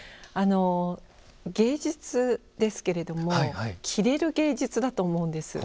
芸術ですけれども着れる芸術だと思うんです。